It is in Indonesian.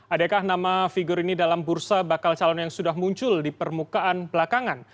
adakah nama figur ini dalam bursa bakal calon yang sudah muncul di permukaan belakangan